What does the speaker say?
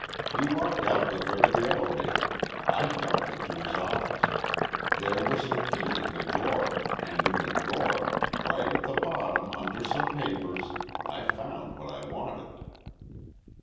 He walked out with her to the elevator. I ducked into his office. There was the key in the drawer, and in the drawer, right at the bottom under some papers, I found what I wanted."